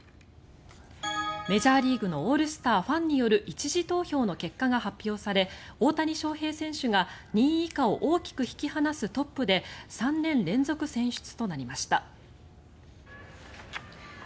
メジャーリーグのオールスターファンによる１次投票の結果が発表され大谷翔平選手が２位以下を大きく引き離すトップで３年連続選出となりました。